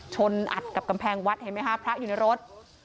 อัดกับกำแพงวัดเห็นไหมคะพระอยู่ในรถ